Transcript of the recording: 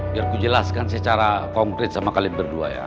biar kujelaskan secara konkret sama kalian berdua ya